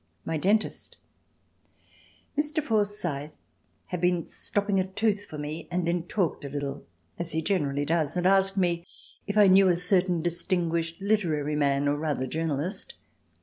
My Dentist Mr. Forsyth had been stopping a tooth for me and then talked a little, as he generally does, and asked me if I knew a certain distinguished literary man, or rather journalist.